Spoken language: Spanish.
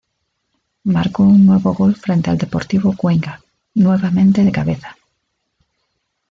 Marco un nuevo gol frente al Deportivo Cuenca, nuevamente de cabeza.